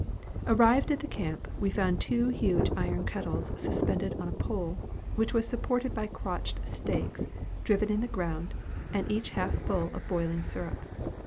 Arrived at the camp, we found two huge iron kettles suspended on a pole, which was supported by crotched stakes, driven in the ground, and each half full of boiling syrup.